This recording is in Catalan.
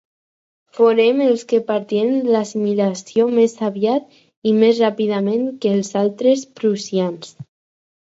Foren els que patiren l'assimilació més aviat i més ràpidament que els altres prussians.